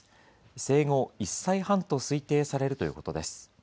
生後１歳半と推定されるということです。